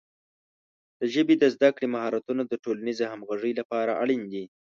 د ژبې د زده کړې مهارتونه د ټولنیزې همغږۍ لپاره اړین دي.